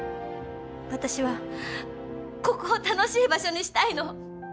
私はここを楽しい場所にしたいの。